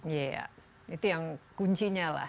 iya itu yang kuncinya lah